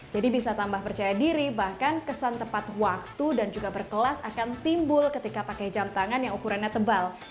jadi bisa tambah percaya diri bahkan kesan tepat waktu dan juga berkelas akan timbul ketika pakai jam tangan yang ukurannya tebal